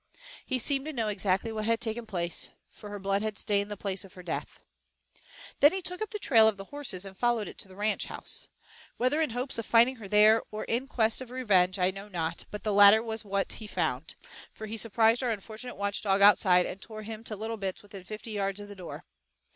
He seemed to know exactly what had taken place, for her blood had stained the place of her death. Then he took up the trail of the horses and followed it to the ranch house. Whether in hopes of finding her there, or in quest of revenge, I know not, but the latter was what he found, for he surprised our unfortunate watchdog outside and tore him to little bits within fifty yards of the door.